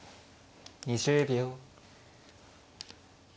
２０秒。